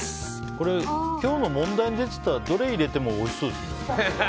これ、今日の問題に出てたのどれを入れてもおいしそうですね。